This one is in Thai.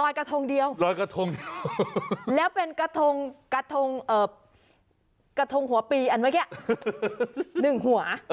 รอยกระทงเดียวแล้วเป็นกระทงกระทงหัวปีอันไหมเนี่ย๑หัว